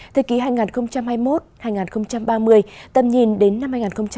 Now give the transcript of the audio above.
thời kỳ hai nghìn hai mươi một hai nghìn ba mươi tầm nhìn đến năm hai nghìn năm mươi